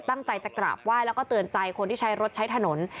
ตั้งใจจะกราบไหว้แล้วก็เตือนใจคนที่ใช้รถใช้ถนน